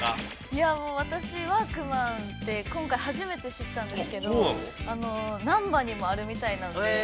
◆いや、私、ワークマンて、今回初めて知ったんですけど、なんばにもあるみたいなんで。